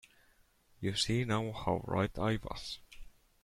You see now how right I was.